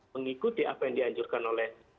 mengikuti apa yang dianjurkan oleh